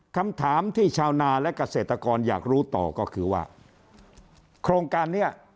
คำถามที่ชาวนาและเกษตรกรอยากรู้ต่อก็คือว่าโครงการนี้